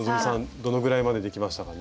どのぐらいまでできましたかね？